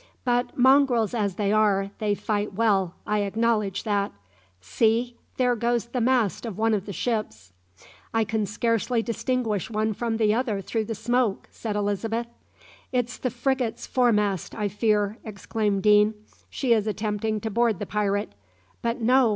But mongrels as they are, they fight well, I acknowledge that! See, there goes the mast of one of the ships!" "I can scarcely distinguish one from the other through the smoke," said Elizabeth. "It's the frigate's fore mast, I fear," exclaimed Deane. "She is attempting to board the pirate. But no!